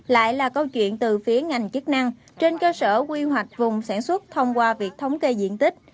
lại là câu chuyện từ phía ngành chức năng trên cơ sở quy hoạch vùng sản xuất thông qua việc thống kê diện tích